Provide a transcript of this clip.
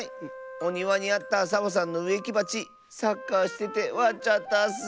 おにわにあったサボさんのうえきばちサッカーしててわっちゃったッス。